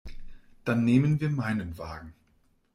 Dann nehmen wir meinen Wagen.